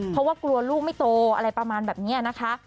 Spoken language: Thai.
เพราะว่ากลัวลูกไม่โตอะไรประมาณแบบนี้นะคะ